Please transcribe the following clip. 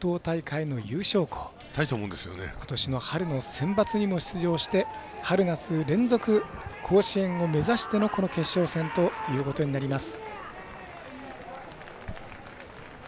ことしの春のセンバツにも出場して春夏連続甲子園を目指してのこの決勝戦ということになります。